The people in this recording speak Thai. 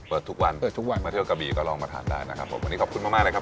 เปิดทุกวันเมื่อเที่ยวกับก๋วยเตี๋ยวก็ลองมาทานได้นะครับวันนี้ขอบคุณมากครับ